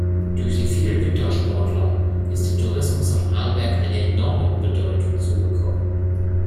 Durch die vielen Wintersportler ist dem Tourismus am Arlberg eine enorme Bedeutung zugekommen.